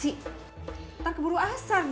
jadi ini itu baru aku beri xu